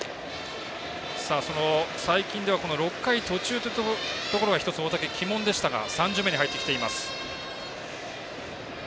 最近では６回途中というところが１つ大竹、鬼門でしたが３巡目に入ってきています。